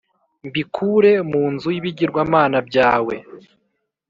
mbikure mu nzu y’ibigirwamana byawe